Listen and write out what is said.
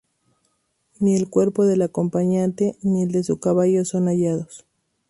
Ni el cuerpo de la acompañante, ni el de su caballo son hallados.